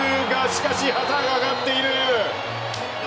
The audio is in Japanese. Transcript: しかし、旗が上がっている！